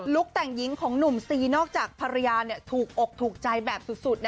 แต่งหญิงของหนุ่มซีนอกจากภรรยาถูกอกถูกใจแบบสุด